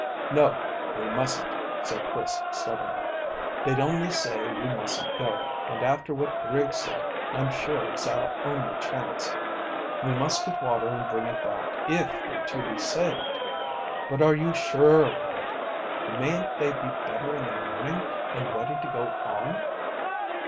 "No, we mustn't," said Chris stubbornly; "they'd only say we mustn't go, and after what Griggs said I'm sure it's our only chance. We must get water and bring it back, if they're to be saved." "But are you sure of that? Mayn't they be better in the morning, and ready to go on?"